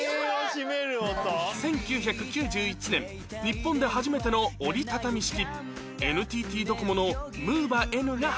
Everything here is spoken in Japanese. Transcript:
１９９１年日本で初めての折りたたみ式 ＮＴＴ ドコモのムーバ Ｎ が発売